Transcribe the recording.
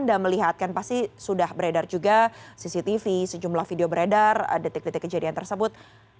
anda melihatkan pasti sudah beredar juga cctv sejumlah video beredar detik detik kejadian tersebut